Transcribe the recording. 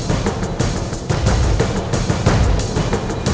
แต่ค่อยและไทบพวกเรานี้